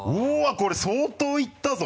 これ相当いったぞ。